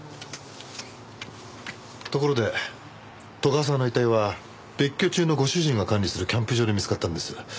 ところで斗ヶ沢の遺体は別居中のご主人が管理するキャンプ場で見つかったんです。